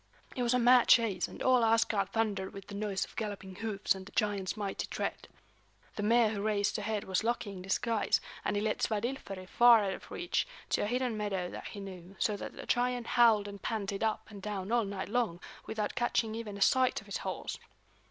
It was a mad chase, and all Asgard thundered with the noise of galloping hoofs and the giant's mighty tread. The mare who raced ahead was Loki in disguise, and he led Svadilföri far out of reach, to a hidden meadow that he knew; so that the giant howled and panted up and down all night long, without catching even a sight of his horse.